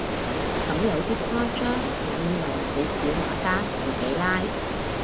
咁有啲誇張，我以為你小畫家自己拉